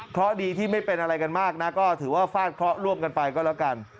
เพราะดีที่ไม่เป็นอะไรกันมากนะก็ถือว่าฟาดเคราะห์ร่วมกันไปก็แล้วกัน